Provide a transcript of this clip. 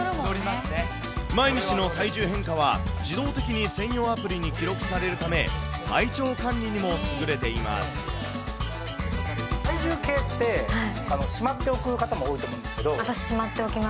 毎日の体重変化は、自動的に専用アプリに記録されるため、体調管体重計って、しまっておく方も多いと思うんですけど、私、しまっておきます。